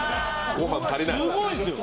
すごいんすよ。